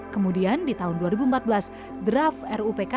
kemudian di tahun dua ribu empat belas draft rupk